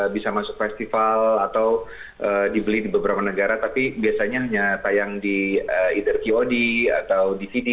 bisa masuk festival atau dibeli di beberapa negara tapi biasanya hanya tayang di either qod atau di sini